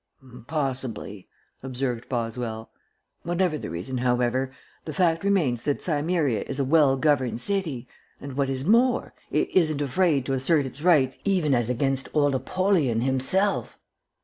"Possibly," observed Boswell. "Whatever the reason, however, the fact remains that Cimmeria is a well governed city, and, what is more, it isn't afraid to assert its rights even as against old Apollyon himself."